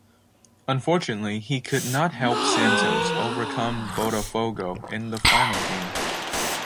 Unfortunately, he could not help Santos overcome Botafogo in the final game.